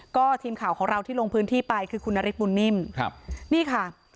ก็ทีมข่าวของเราที่ลงพื้นที่ไปคือคุณนฤทธบุญนิ่มครับนี่ค่ะ